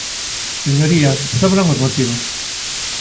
Señorías, sobran os motivos.